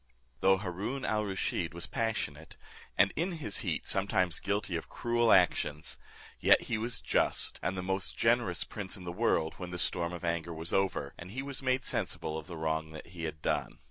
Though Haroon al Rusheed was passionate, and in his heat sometimes guilty of cruel actions; yet he was just, and the most generous prince in the world, when the storm of anger was over, and he was made sensible of the wrong he had done.